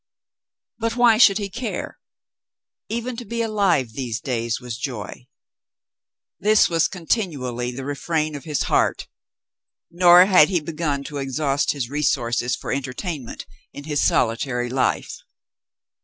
But why should he care ? Even to be alive these days was joy. This was continually the refrain of his heart, nor had he begun to exhaust his resources for entertainment in his solitary life.